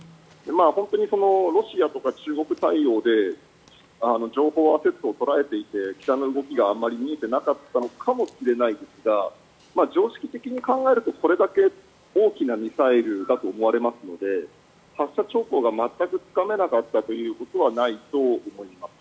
本当にロシアとか中国対応で情報をアセット、捉えていて北の動きがあまり見えていなかったのかもしれないですが常識的に考えるとそれだけ大きなミサイルだと思いますので発射兆候が全くつかめなかったということはないと思います。